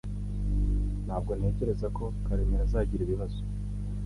Ntabwo ntekereza ko Karemera azagira ibibazo